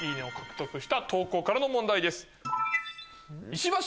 問題です。